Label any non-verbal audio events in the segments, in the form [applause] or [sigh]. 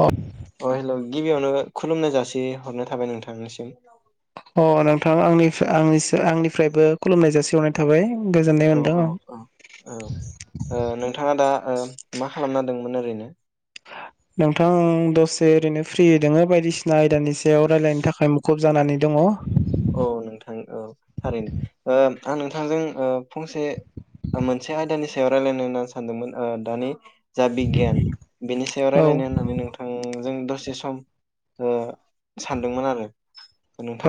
अ अ हेल' गिबियावनो खुलुमनाय जासिहरनाय थाबाय नोंथांनिसिम अ नोंथां आंनि आ आंनिफ्रायबो खुलुमनाय जासिहरनाय थाबाय गोजोननाय औ मोनदों औ औ। औ ओ नोंथाङा दा ओ मा खालामना दोंमोन ओरैनो नोंथां दसे ओरैनो फ्रि दोङो बायदिसिना आयदानि सायाव रायलायनो थाखाय मुखुब जानानै दङ औ नोंथां औ थारैनो ओ आं नोंथांजों ओ फंसे मोनसे आयदानि सायाव रायलायनो होननानै सानदोंमोन ओ दानि जा बिगियान बेनि सायाव रायजलायनो होननानै नोंथां जों दसे सम ओ सानदोंमोन आरो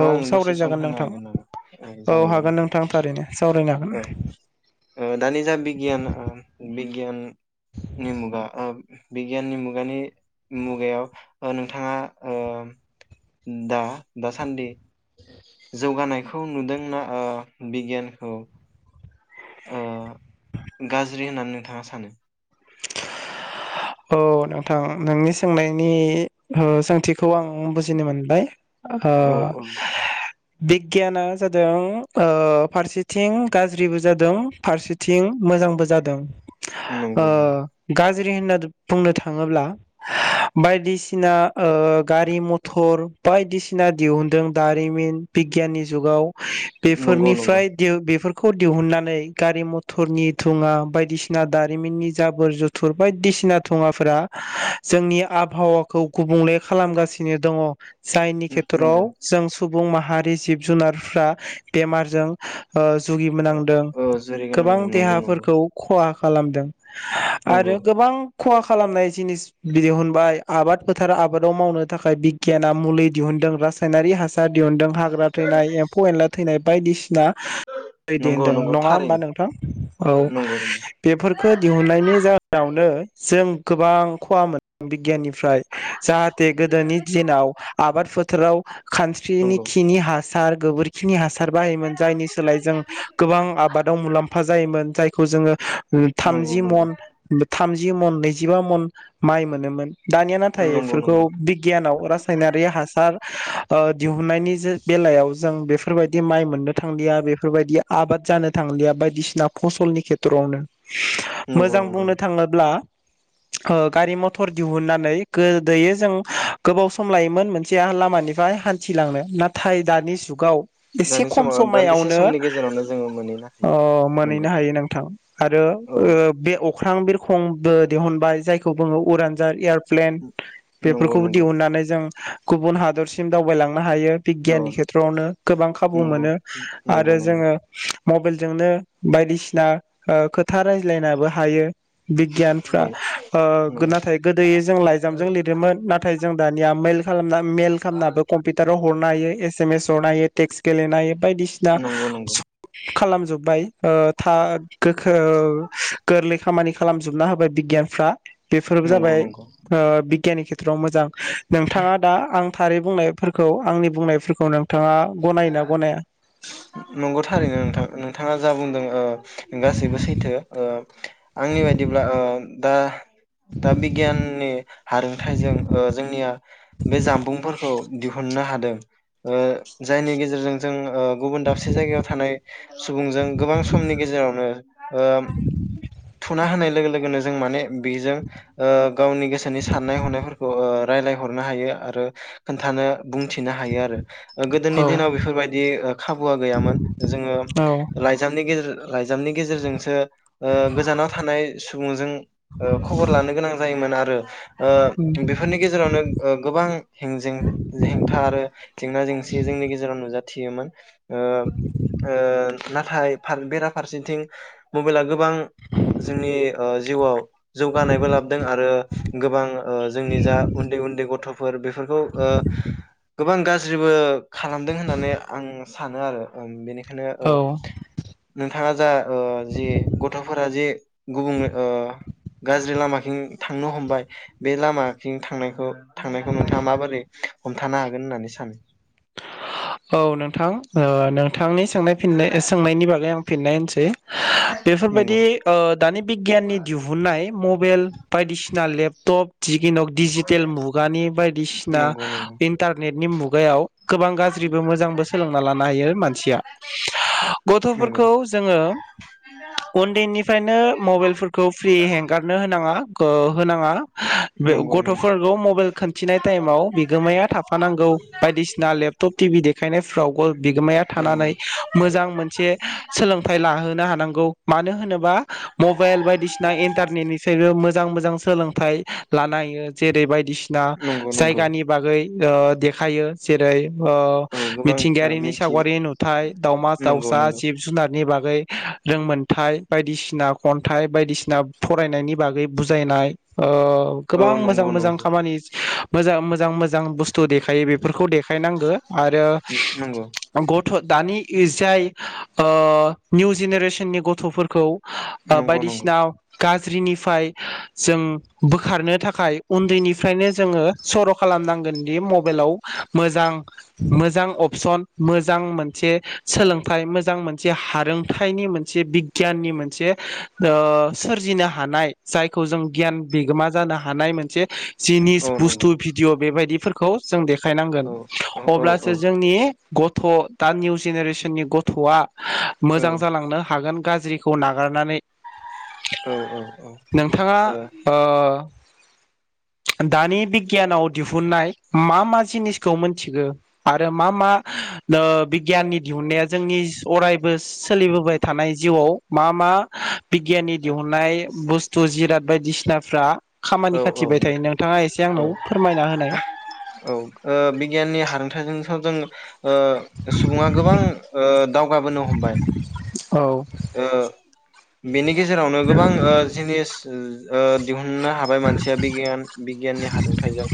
औ आं न दा सावरायजागोन खोनथानो नोंथां हागोन नामा नोंथां औ जागोन दे हागोन नोंथां थारैनो सावरायनो हागोन औ ओ दानि जा बिगियान बिगियाननि मुगा बिगियाननि मुगानि मुगायाव ओ नोंथाङा ओ दा दासान्दि जौगानायखौ नुदोंना ओ बिगियानखौ ओ गाज्रि होननानै नोंथाङा सानो औ नोंथां नोंनि सोंनायनि ओ सोंथिखौ आं बुजिनो मोनबाय ओ औ औ बिगियाना जादों ओ फारसेथिं गाज्रिबो जादों फारसेथिं मोजांबो जादों नंगौ अ नंगौ गाज गाज्रि होनना बुंनो थाङोब्ला बायदिसिना ओ गारि मथर बायदिसिना दिहुनदों दारिमिन बिगियाननि जुगाव नंगौ नंगौ बेफोरनिफ्राय बेफोर खौ दिहुननानै गारि मथरनि थुङा बायदिसिना दारि मिननि जाबुर जुथुर बायदिसिना थुङाफोरा जोंनि आब हावाखौ गुबुंले खालामगासिनो दङ जायनि उम, खेथ्रआव नंगौ जों सुब सुबुं माहारि जिब जुनारफ्रा बेमारजों ओ जुगि मोनांदों औ जेरै गोबां गोनांदों नंगौ नंगौ देहाफोरखौ खहा खालाम नंगौ आरो गोबां खहा खालामनाय जिनिस दिहुनबाय आबाद फोथार आबादाव मावनो थाखाय बिगियाना मुलि दिहुनदों रासायनारि हासार दिहुनदों हाग्रा थैनाय एम्फौ एनला थैनाय बायदिसिना दैदि नंगौ होनदों नंगौ नङा हबा थारैनो नोंथां औ नंगौ नंगौ बेफोर खो दिहुननायनि जाहोनावनो जों गोबां खहा मोन [unintelligible] फ्राय जाहाथे गोदोनि दिनाव आबाद फो बोथोराव खानस्रिनि नंगौ खिनि हास सार गोबोरखि खिनि हासार बाहायोमोन जायनि सोलाय जों गोबां आबादाव मुलाम्फा जायोमोन। जायखौ जोङो नंगौ थामजि नंगौ मन थाम जि मन नैजिबा मन माइ मोनोमोन दानिया नाथाय नंगौ बेफोरखौ नंगौ बिगियानाव रासायनारि हासार दिहुननायनि बेलायाव जों बेफोरबायदि माइ मोननो थांलिया बेफोरबायदि आबाद जानो थांलिया बायदिसिना फसलनि खेथ्र'आवनो नंगौ मोजां नंगौ बुंनो थाङोब्ला ओ गारि मथर दिहुननानै गोदो जों गोबाव सम लायोमोन मोनसे लामानिफ्राय हान्थिलांनो नाथाय दानि जुगाव एसे दानि खम समाव दान्दिसे समायावनो समनि गेजेरावनो जोङो मोनहैनो ओ हायो औ नंगौ मोनहैनो हायो नोंथां। आरो औ ओ बे अख्रां बिरखंबो दिहुनबाय जायखौ बुङो उरानजार एयार। प्लेन नंगौ बेफोरखौबो नंगौ दिहुनन्नानै जों गुबुन हादरसिम दावबायलाङो नो हायो औ बिगियाननि खेथ्रआवनो गोबां खाबु नंगौ मोनो नंगौ आरो नंगौ जोङो मबाइलजोंनो बायदिसिना ओ खोथा रायज्लायनाबो हायो। बिगियानफ्रा नंगौ ओ नंगौ नाथाय गोदोयो जों लाइजामजों लिरोमोन नाथाय जों दानिया मेल खालामना मेल खालामनाबो कम्पिउटाराव हरनो हायो एस एम एस हरनो हायो टेक्स गेलेनो हायो। बायदिसिना नंगौ नंगौ खालामजोबबाय ओ था गोखो गोरलै खामानि खालामजोबना होबाय बिगियानफ्रा। बेफोरबो नंगौ जाबाय नंगौ ओ बिगियाननि खे बोथोराव मोजां नोंथाङा दा आं थारै बुंनायफोरखौ आंनि बुंनायफोरखौ नोंथाङा गनायोना गनाया? नंगौ थारैनो नोंथां, नोंथाङा जा बुंदों। गासैबो सैथो आंनि बायदिब्ला दा दा बिगियाननि हारोंथाइजों जोंनिया बे जामबुंफोरखौ दिहुननो हादों। ओ जायनि गेजेरजों जों ओ गुबुन दाबसे जायगायाव थानाय सुबुंजों गोबां समनि गेजेरावनो ओ थुना होनाय लोगो लोगोनो जों माने बेजों ओ गावनि गोसोनि साननाय हनायफोरखौ ओ रायलायहरनो हायो आरो खोन्थानो बुंथिनो हायो आरो। गोदोनि औ दिनाव बेफोरबायदि ओ खाबुया गैयामोन जोङो औ लाइजामनि गेजेर लाइजामनि गेजेरजोंसो ओ गोजानाव थानाय सुबुंजों ओ खबर लानो गोनां जायोमोन आरो ओ बेफोरनि गेजेरावनो ओ गोबां हें जें हेंथा आरो जेंना जेंसि गेजेराव नुजाथिदोंमोन ओ ओ नाथाय फार बेरा फारसेथिं मोबाइला गो गोबां जोंनि ओ जिउआव जौगानायबो लाबोदों आरो गोबां ओ जोंनि जा उन्दै उन्दै गथ' फोर बेफोरखौ ओ गोबां गाज्रिबो खालामदों होननानै आं सानो आरो बेनिख नो ओ औ नोंथाङा जा ओ जि गथ'फोरा जि गुबुं ओ गाज्रि लामाथिं थांनो हमबाय बे लामाथिं थांनायखौ थांनायखौ नोंथाङा माबोरै हमथानो हागोन होननानै सानो? औ नोंथां ओ नोंथांनि सोंनाय फिननाय सोंनायनि बागै आं फिननाय होनोसै नंगौ बेफोरबायदि दानि बिगियाननि दिहुननाय मबेल बायदिसिना लेपटप दिग दिनाव डिजिटेल मुगानि बायदिसिना नंगौ नंगौ इन्टारनेट नि मुगायाव गोबां गाज्रिबो मोजांबो सोलोंना लानो हायो मानसिया नंगौ गथ'फोरखौ जोङो उन्दैनिफ्रायनो मबाइलफोरखौ फ्रि हेंगारनो होनाङा खो होनाङा। नंगौ नंगौ गथफोरखौ मबाइल खिन्थिनाय टाइमाव बिगोमाया थाफानांगौ बायदिसिना दा लेपटप टिभि देखायनायफ्राव बिगोमाया नंगौ थानानै मोजां मोनसे सोलोंथाइ लाहोनो हानांगौ। मानो होनोबा मबाइल बायदिसिना इन्टारनेटनिसायबो मोजां मोजां सोलों थाय लानायो जेरै बायदिसिना नंगौ नंगौ जायगानि बागै ओ देखायो। जेरै ओ औ गोबां ओ मिथिंगायारिनि मिथियो सावगारि नुथाय दाउमा नंगौ दाउसा नंगौ जिब जुनारनि बाग ओमफ्राय रोंमोनथाइ बायदिसिना खन्थाइ बायदिसिना फरायनायनि बागै बुजायनाय औ औ गोबां मोजां नंगौ मोजां नंगौ खामानि मोजां मोजां मोजां बुस्थु देखायो बे बेफोरखौ दे खाय नांगो आरो उम, नंगौ गद थ' दानि इ जाय ओ निउ जेनेरेसननि गथफोरखौ ओ नंगौ नंगौ बायदिसिना गाज्रिनिफ्राय जों बोखारनो थाखाय उन्दैनिफ्रायनो जोङो सर खालामनांगोनदि मबाइलाव मोजां मोजां अपसन मोजां मोनसे सोलोंथाइ मोजां मोनसे हारोंथाइनि मोनसे बिगियाननि मोनसे ओ सोरजिनो हानाय जायखौ जों गियान बिगोमा जानो हानाय मोनसे जिनिस औ नंगौ बुस्थु भिडिअ बेबायदिफोर खौ जों खायनांगोन औ औ औ औ अब्लासो जोंनि गथ दा निउ जेनेरेसननि गथआ औ मोजां जालांनो हागोन गाज्रिखौ नागारनानै औ औ औ नोंथाङा ओ दानि बिगियानाव दिहुननाय मा मा जिनिसखौ मोनथिगो आरो मा मा ओ बिगियाननि दिहुननाया जोंनि अराय बो सोलिबोबाय थानाय जिउआव मा मा बिगियाननि दिहुननाय बुस ज जिराद बायदिसिनाफ्रा खामानि ओ, औ औ खाथिबाय थायो नोंथां नोंथाङा एसे औ आंनाव फोरमायना होनाय गियाननि हारोंथाइजोंथ जों ओ सुबुङा गोबां ओ दावगाबोनो हमबाय औ ओ बेनि गेजेरावनो गोबां ओ जिनिस ओ दिहुन मोननो हाबाय मानसिया बिगियान बिगियाननि हारोंथाइजों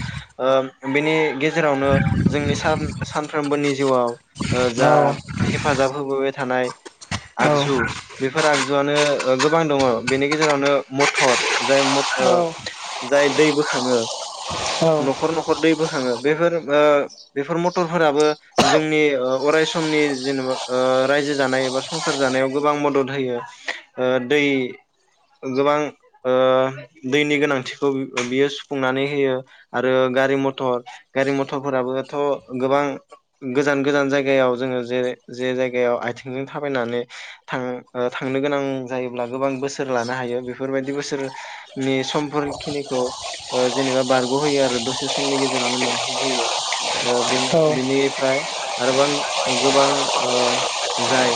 ओ बेनि गे जेरावनो जोंनि सान-सानफ्रोमबोनि जिउआव ओ जा औ हेफाजाब होबोबाय थानाय आगजु औ फोरा आगजुआनो गोबां दङ बेनि गेजेरावनो मथर जाय मथ ओ जाय दै बोखाङो औ नखर नखर दै बोखाङो बेफोर ओ बेफोर मटर फोराबो जोंनि ओ अराय समनि जेनेबा ओ रायजो जानाय एबा संसार जानायाव गोबां मदद होयो ओ दै गोबां ओ दैनि गोनांथिखौ बियो सुफुंनानै होयो आरो गारि मथर गारि मथरफोराबोथ गोबां गोजान गोजान जायगायाव जोङो जे जे जायगायाव आथिंजों थाबायनानै थाङो ओ थांनो गोनां जायोब्ला गोबां बोसोर लानो हायो बेफोरबायदि बोसोरनि समफोरखिनिखौ ओ जेनेबा बारगहोयो आरो दसे समनि गेजेरावनो मोनहैहोयो ओ बेनि औ बेनिफ्राय आरोबां गोबां ओ जाय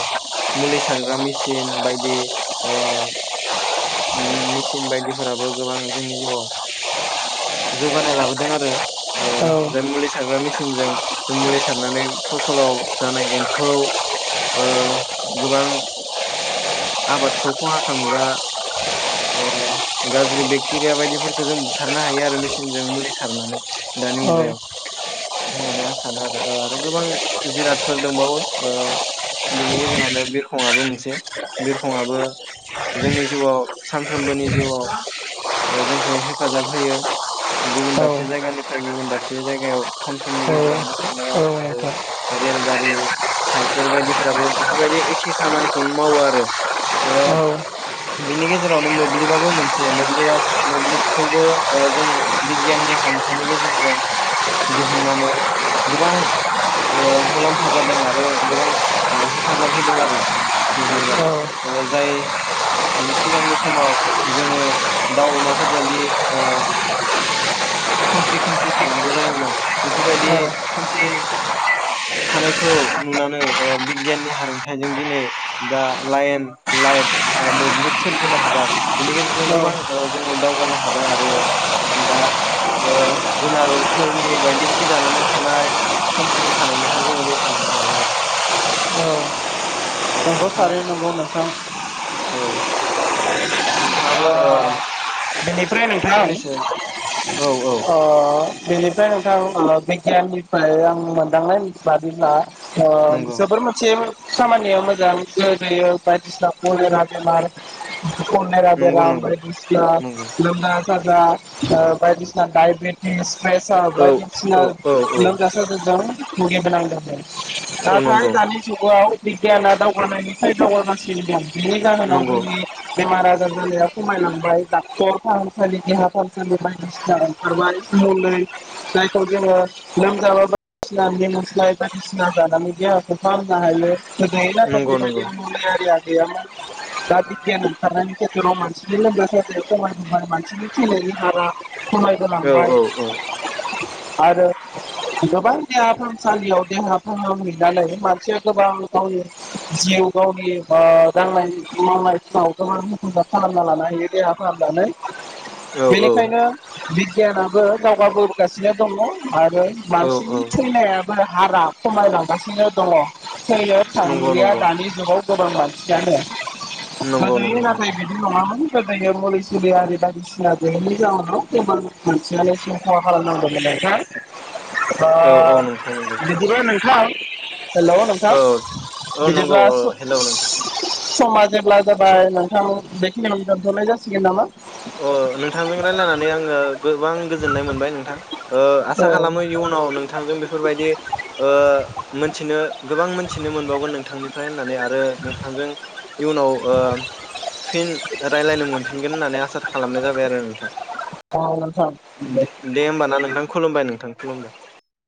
मुलि थांग्रा मेसिन बायदि ओ उम मेसिन बायदिफोराबो गोबां जोंनि जिउआव जौगानाय लाबोदों आरो ओ औ जाय मुलि सारग्रा मेसिनजों जों मुलि सारनानै फसलाव जानाय एम्फौ ओ गोबां आबादखौ खहा खालामग्रा ओ गाज्रि बेक्टेरिया बायदिफोरखौ जों बुथारनो हायो आरो मेसिनजों मुलि सारनानै दानि औ औ मुगायाव होननानै आं सानो आरो आरो गोबां जिरादफोर दंबावो ओ बिनि गेजेरावनो बिरखंआबो मोनसे बिरखंआबो जोंनि जिउआव सानफ्रोमबोनि जिउआव ओ जोंखौ हेफाजाब होयो गुबुन दाबसे जायगानिफ्राय गुबुन दाबसे जायगायाव खम समनि गेजेरावनो थांनायाव आरो नोंथां रेलगारि साइकेल बायदिफोराबो बेफोरबायदि ए खे खामानिखौनो मावो आरो ओ औ बिनि गेजेरावनो मोब्लिबाबो मोनसे मोब्लिबा मोब्लिबखौबो ओ जों बिगियाननि हांथाइनि गेजेरजों दिहुननानै गोबां ओ मुलाम्फा जादों आरो गोबां ओ हेफाजाब होदों आरो मोब्लिबा औ ओ जाय सिगांनि समाव जोङो दाउ अमाफोरबायायदि ओ खोमसि खोमसि थानांगौ जायोमोन बेफोरबायदि औ खोमसि थानायखौ नुनानै ओ बिगियाननि हारोंथायाइजों दिनै दा लाइन लाइट ओ मोब्लिब सोरजिनो हाबाय बेनि गेजेरजों गोबां ओ जोङो दावगानो हाबाय आरो दा ओ जुनारफोरनि बायदि सि जानानै थानाय खोमसि थानायनिफ्राय जोङो रैखा मोननो हाबाय आरो औ नंगौ नोंथां थारैनो नंगौ नोंथां औ नोंथाङाबो ओ ओम बेनिफ्राय नोंथां औ औ ओ बेनिफ्राय नोंथां ओ बिगियाननिफ्राय आं मोनदांनाय बादिब्ला ओ नंगौ जोबोर मोनसे खामानि मोजां [inaudible] नंगौ नंगौ नंगौ [unintelligible] [inaudible] बायदिसिना [unintelligible] [inaudible] [inaudible] औ औ औ औ [unintelligible] औ नाथाय नंगौ दानि जुगाव बिगियाना दावगानायनिफ्राय दावगागासिनो दं बिनि जाहोनाव नंगौ जोंनि बेमार आजार जानाया खमायलांबाय डाक्टर [unintelligible] ओंखारबाय ् [unintelligible] फाहामनो हायो नंगौ नंगौ [inaudible] खमाय बोबाय मानसि थैनायनि हारा खमायबो औ लांबाय औ आरो ज गोबां देहा फाहामसालियाव देहा फाहामहैनानै मानसिया गोबां गावनि जिउ गावनि ओ दांनाय [unintelligible] गोबां हेफाजाब खालामना लानो हायो देहा फाहामनानै औ बेनिखायनो गियानाबो [inaudible] गासिनो दङ आरो औ औ मानसिनि थैनायाबो हारा खमायलांगासिनो दङ थैनो नंगौ थांलिया नंगौ दानि जुगाव गोबां मानसि आनो नंगौ नंगौ [unintelligible] नाथाइ नोंथां बिदि नङा गोदोनि मुलि सुलि आरि बायदिसिना गैयिनि जाहोनाव जेनबा मानसियानो खहा खालाम नांगौमोन नोंथां दा औ औ नोंथां नंगौ बिदिबा नोंथां [inaudible] नोंथां औ औ नंगौ औ हेलौ नोंथां समाज जेब्ला स जाबाय नोंथां बेखिनियावनो दोनथनाय जासिगोन नामा अ नोंथांजों रायलायनानै आङो गोबां गोजोननाय मोनबाय नोंथां ओ आसा औ खालामो इयुनाव नोंथांजों बेफोरबायदि ओ मोनथिनो गोबां मोनथिनो मोनबावगोन नोंथांनिफ्राय होननानै आरो रो नोंथांजों इयुनाव ओ फिन रायज्लायनो मोनफिनगोन होननानै आ आसा खालामनाय जाबाय आरो नोंथां औ नोंथां दे होमबाना नोंथां खुलुमबाय नोंथां [unintelligible]